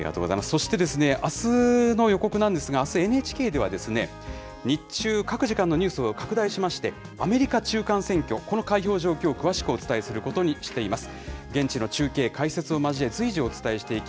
そしてあすの予告なんですが、あす、ＮＨＫでは、日中、各時間のニュースを拡大しまして、アメリカ中間選挙、この開票状況を詳しくお伝えすることにしています。